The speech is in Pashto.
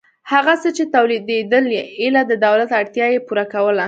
هغه څه چې تولیدېدل ایله د دولت اړتیا یې پوره کوله.